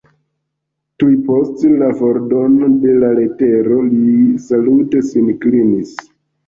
Tuj post la fordono de la letero li salute sin klinis.